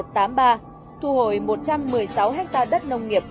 thu hồi một trăm một mươi sáu hectare đất nông nghiệp